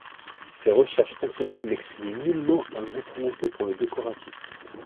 Ses recherches fonctionnelles n'excluent nullement un goût prononcé pour le décoratif.